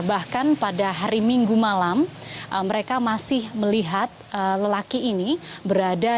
bahkan pada hari minggu malam mereka masih melihat lelaki ini berada